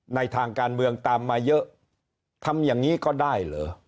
ทางการเมืองตามมาเยอะทำอย่างนี้ก็ได้เหรอ